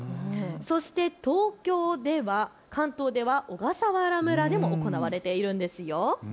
そして東京では、関東では小笠原村でも行われているんですよ。